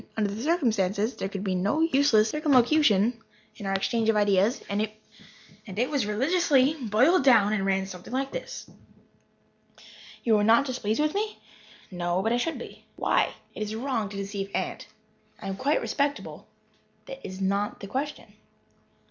Under the circumstances there could be no useless circumlocution in our exchange of ideas. It was religiously "boiled down," and ran something like this: "You are not displeased with me?" "No but I should be." "Why?" "It is wrong to deceive Aunt." "I am quite respectable." "That is not the question."